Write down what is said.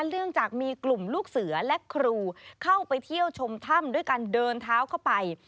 เนื่องจากมีกลุ่มลูกเสือและครูเข้าไปเที่ยวชมถ้ำด้วยการเดินเท้าเข้าไป